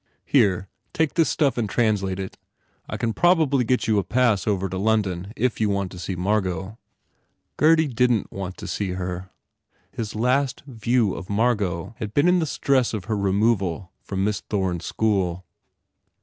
Here, take this stuff and translate it. I can probably get you a pass over to London if you want to sec Margot." Gurdy didn t want to see her. His last view of Margot had been in the stress of her removal from Miss Thome s school.